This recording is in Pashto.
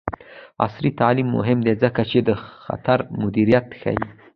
عصري تعلیم مهم دی ځکه چې د خطر مدیریت ښيي.